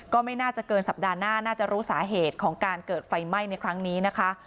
ก็ไม่น่าจะเกินสัปดาห์หน้าน่าจะรู้สาเหตุของการเกิดไฟไหม้ในครั้งนี้นะคะ